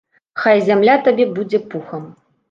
Хай зямля табе будзе пухам.